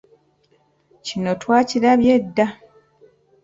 Kino twakirabye dda.